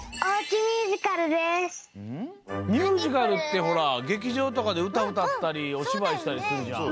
ミュージカルってほらげきじょうとかでうたうたったりおしばいしたりするじゃん。